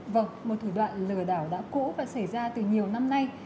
vâng một thủ đoạn lừa đảo đã cũ và xảy ra từ nhiều năm nay